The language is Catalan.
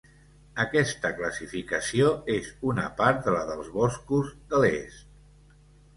Aquesta classificació és una part de la dels boscos de l'Est.